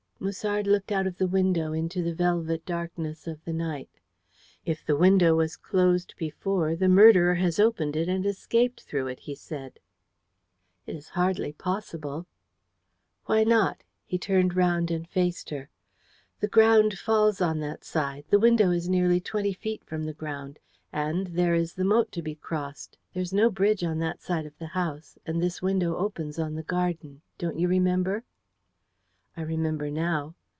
Musard looked out of the window into the velvet darkness of the night. "If the window was closed before, the murderer has opened it and escaped through it," he said. "It is hardly possible." "Why not?" He turned round and faced her. "The ground falls on that side. The window is nearly twenty feet from the ground. And there is the moat to be crossed. There is no bridge on that side of the house, and this window opens on the garden. Don't you remember?" "I remember now."